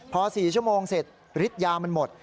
พอ๔ชั่วโมงเสร็จฤทธิ์ยามันหมด